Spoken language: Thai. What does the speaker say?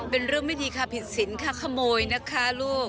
เป็นเรื่องไม่ดีค่ะผิดสินค่ะขโมยนะคะลูก